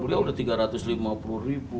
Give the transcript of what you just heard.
beliau udah rp tiga ratus lima puluh